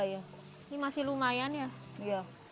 ini masih lumayan ya